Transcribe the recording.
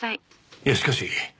いやしかし。